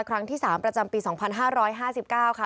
ครั้งที่๓ประจำปี๒๕๕๙ค่ะ